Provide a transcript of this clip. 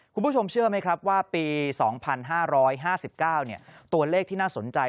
คุณผู้ชมเชื่อไหมครับว่าปี๒๕๕๙ตัวเลขที่น่าสนใจ